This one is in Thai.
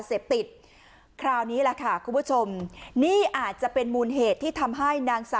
เสพติดคราวนี้แหละค่ะคุณผู้ชมนี่อาจจะเป็นมูลเหตุที่ทำให้นางสาว